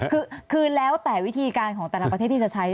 คือแล้วแต่วิธีการของแต่ละประเทศที่จะใช้